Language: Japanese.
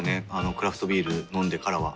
クラフトビール飲んでからは。